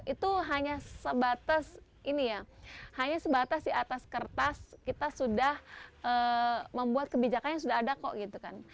itu hanya sebatas ini ya hanya sebatas di atas kertas kita sudah membuat kebijakan yang sudah ada kok gitu kan